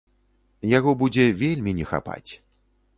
Яго будзе вельмі не хапаць.